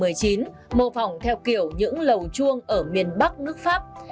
đầu thế kỷ một mươi chín mô phỏng theo kiểu những lầu chuông ở miền bắc nước pháp